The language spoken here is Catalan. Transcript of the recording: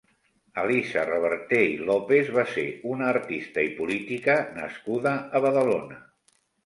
Elisa Reverter i López va ser una artista i política nascuda a Badalona.